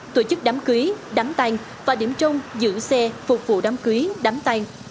tổ chức đám cưới đám tăng và điểm trong giữ xe phục vụ đám cưới đám tăng